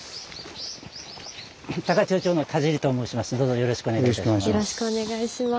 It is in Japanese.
よろしくお願いします。